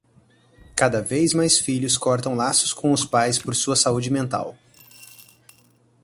Cada vez mais filhos cortam laços com os pais por sua saúde mental